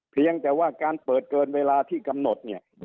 เพียงแต่ว่าการเปิดเกินเวลาที่กำหนดเนี่ย